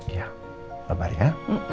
iya benar ya